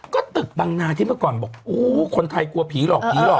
ก็ตึกบังนาที่เมื่อก่อนบอกอู้คนไทยกลัวผีหลอกผีหรอก